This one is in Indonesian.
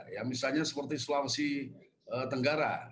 ya misalnya seperti sulawesi tenggara